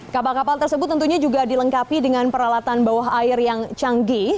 kapal kapal tersebut tentunya juga dilengkapi dengan peralatan bawah air yang canggih